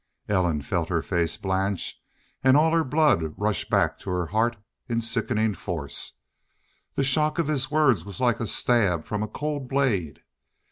Ellen felt her face blanch and all her blood rush back to her heart in sickening force. The shock of his words was like a stab from a cold blade.